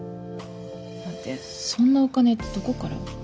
待ってそんなお金どこから？